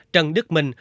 trần đức minh